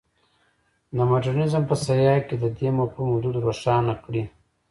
د مډرنیزم په سیاق کې د دې مفهوم حدود روښانه کړي.